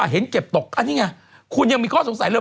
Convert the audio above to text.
ว่าเห็นเก็บตกคุณยังมีข้อสงสัยเลย